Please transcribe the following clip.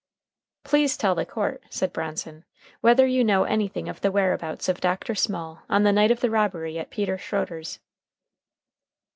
"Please tell the court," said Bronson, "whether you know anything of the whereabouts of Dr. Small on the night of the robbery at Peter Schroeder's."